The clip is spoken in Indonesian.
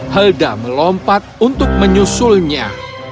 helda melompat untuk menyusulnya